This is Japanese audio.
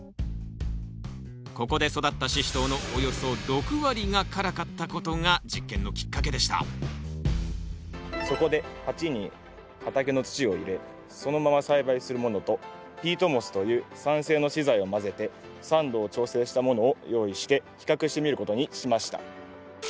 ここで育ったシシトウのおよそ６割が辛かったことが実験のきっかけでしたそこで鉢に畑の土を入れそのまま栽培するものとピートモスという酸性の資材を混ぜて酸度を調整したものを用意して比較してみることにしました。